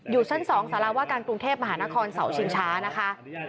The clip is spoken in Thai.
ชั้น๒สารวาการกรุงเทพมหานครเสาชิงช้านะคะ